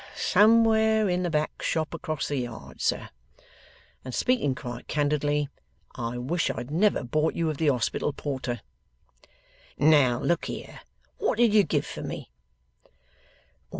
'You're somewhere in the back shop across the yard, sir; and speaking quite candidly, I wish I'd never bought you of the Hospital Porter.' 'Now, look here, what did you give for me?